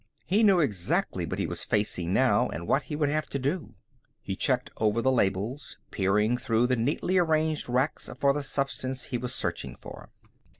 He knew exactly what he was facing now, and what he would have to do. He checked over the labels, peering through the neatly arranged racks for the substance he was searching for.